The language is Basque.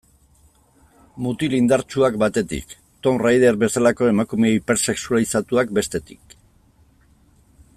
Mutil indartsuak batetik, Tomb Raider bezalako emakume hipersexualizatuak bestetik.